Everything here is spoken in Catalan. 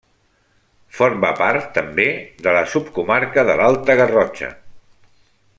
Forma part també de la subcomarca de l'Alta Garrotxa.